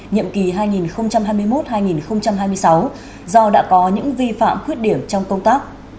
nhiệm kỳ hai nghìn hai mươi một hai nghìn hai mươi sáu do đã có những vi phạm khuyết điểm trong công tác